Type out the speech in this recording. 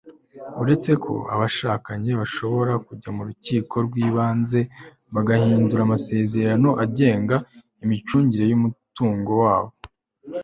uretse ko abashakanye bashobora kujya mu rukiko rw'ibanze bagahindura amasezerano agenga imicungire y'umutungo wabo